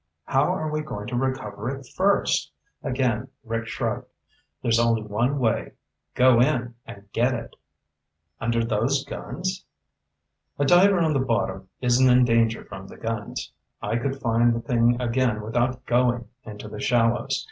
"How are we going to recover it first?" Again Rick shrugged. "There's only one way. Go in and get it." "Under those guns?" "A diver on the bottom isn't in danger from the guns. I could find the thing again without going into the shallows.